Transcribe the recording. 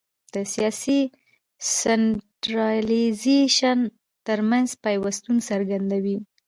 د سیاسي سنټرالیزېشن ترمنځ پیوستون څرګندوي.